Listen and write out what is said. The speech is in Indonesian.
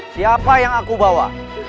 siapa yang aku bawa